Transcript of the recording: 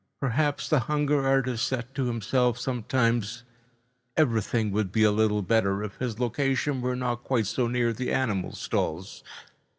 Perhaps, the hunger artist said to himself sometimes, everything would be a little better if his location were not quite so near the animal stalls.